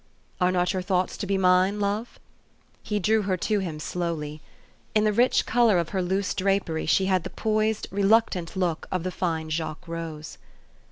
" Are not your thoughts to be mine, love? " He drew her to him slowly. In the rich color of her loose drapery she had the poised, reluctant look of the fine Jacques rose.